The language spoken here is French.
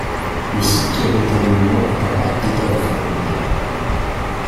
Le site, qui abrite un monument, est un parc d’État de Floride.